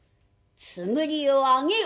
つむりを上げよ。